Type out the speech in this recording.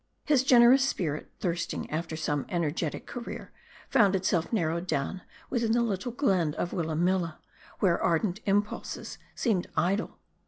His generous spirit thirsting after some energetic career, found itself narrowed down within the little glen of Willa milla, where ardent impulses seemed idle.